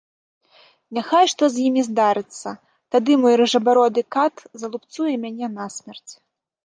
Няхай што з імі здарыцца, тады мой рыжабароды кат залупцуе мяне насмерць.